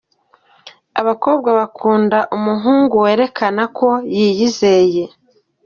Abakobwa bakunda umuhungu werekana ko yiyizeye.